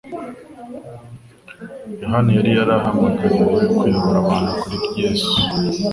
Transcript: Yohana yari yarahamagariwe kuyobora abantu kuri Yesu,